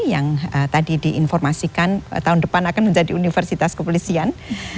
yang tadi diinformasikan tahun depan akan menjadi universitas kepolisian